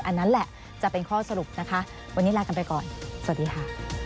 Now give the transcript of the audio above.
อันนั้นแหละจะเป็นข้อสรุปนะคะวันนี้ลากันไปก่อนสวัสดีค่ะ